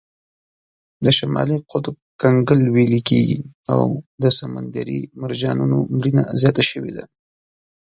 د شمالي قطب کنګل ویلې کیږي او د سمندري مرجانونو مړینه زیاته شوې ده.